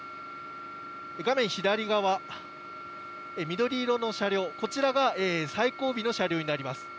画面左側、緑色の車両、こちらが最後尾の車両になります。